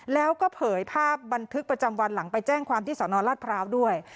แล้วก็เผยภาพบันทึกประจำวันหลังไปแจ้งความที่สนราชพร้าวด้วย